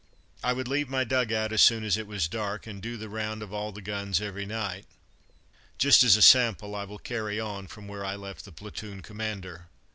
I would leave my dug out as soon as it was dark and do the round of all the guns every night. Just as a sample, I will carry on from where I left the platoon commander.